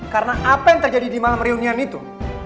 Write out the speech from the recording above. karena apa yang terjadi di malam reunian itu